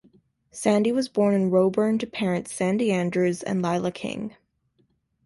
Sandy was born in Roebourne to parents Sandy Andrews and Lila King.